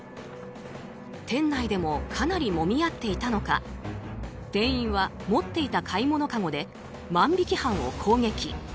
店内でもかなりもみ合っていたのか店員は持っていた買い物かごで万引き犯を攻撃。